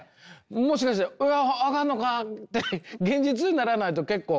もしかしてわあ上がるのかって現実にならないと結構。